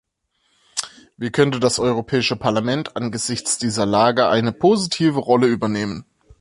Wie könnte das Europäische Parlament angesichts dieser Lage eine positive Rolle übernehmen?